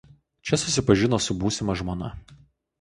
Čia susipažino su būsima žmona.